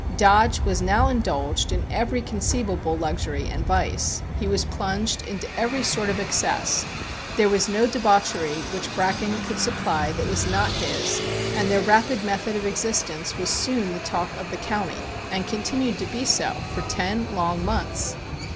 Dodge was now indulged in every conceivable luxury and vice. He was plunged into every sort of excess, there was no debauchery which Bracken could supply that was not his and their rapid method of existence was soon the talk of the county and continued to be so for ten long months.